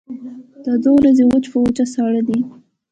دا دوه ورځې وچ په وچه ساړه دي.